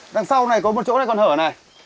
đằng sau này có một chỗ này còn hở nữa